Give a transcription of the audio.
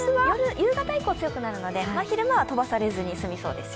夕方以降強くなるので昼間は飛ばされずに済みそうですよ。